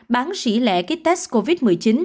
bán sỉ lệ kit test covid một mươi chín